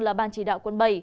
là ban chỉ đạo quận bảy